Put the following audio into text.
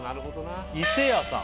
伊勢屋さん